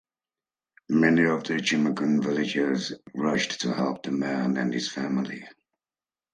Many of the Chimakum villagers rushed to help the man and his family.